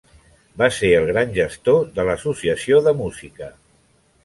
Va ser el gran gestor de l'Associació de Música.